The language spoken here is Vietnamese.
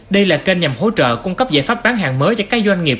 đây là kênh nhằm hỗ trợ cung cấp giải pháp bán hàng mới cho các doanh nghiệp